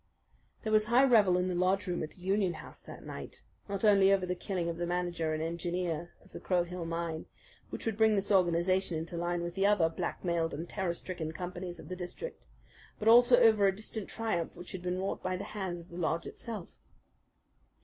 There was high revel in the lodge room at the Union House that night, not only over the killing of the manager and engineer of the Crow Hill mine, which would bring this organization into line with the other blackmailed and terror stricken companies of the district, but also over a distant triumph which had been wrought by the hands of the lodge itself.